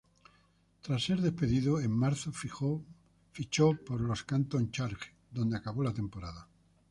Tras ser despedido, en marzo fichó por los Canton Charge, donde acabó la temporada.